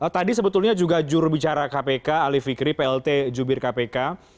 tadi sebetulnya juga jurubicara kpk ali fikri plt jubir kpk